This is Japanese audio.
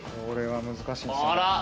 これは難しいですね。